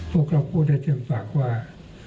พวกเราพูดได้เพียงปากว่า